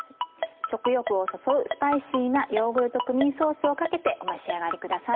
食欲を誘うスパイシーなヨーグルトクミンソースをかけてお召し上がりください。